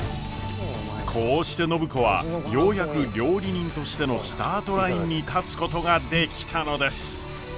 こうして暢子はようやく料理人としてのスタートラインに立つことができたのです。